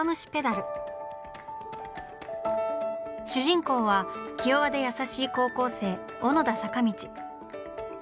主人公は気弱で優しい高校生小野田坂道。